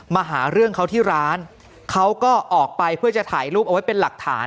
มาหาเรื่องเขาที่ร้านเขาก็ออกไปเพื่อจะถ่ายรูปเอาไว้เป็นหลักฐาน